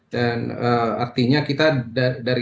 dan artinya kita dari